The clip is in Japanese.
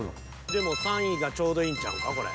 ［でも３位がちょうどいいんちゃうかこれ］